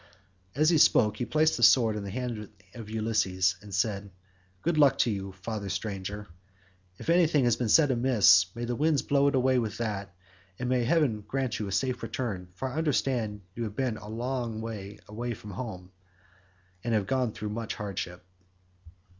As he spoke he placed the sword in the hands of Ulysses and said, "Good luck to you, father stranger; if anything has been said amiss may the winds blow it away with them, and may heaven grant you a safe return, for I understand you have been long away from home, and have gone through much hardship."